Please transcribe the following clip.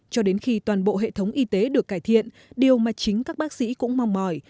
cho đến khi toàn bộ hệ thống y tế được cải thiện điều mà chính các bác sĩ cũng mong mỏi